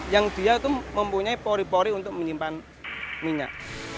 yang dia itu mempunyai pori pori untuk menyimpan minyak